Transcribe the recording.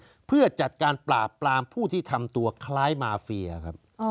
เพื่อจัดการปราบปรามผู้ที่ทำตัวคล้ายมาเฟียครับ